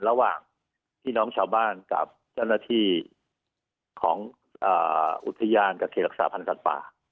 ระหว่างพี่น้องชาวบ้านกับเจ้าหน้าที่ของอุทยานกับเขตรักษาพันธ์สัตว์ป่า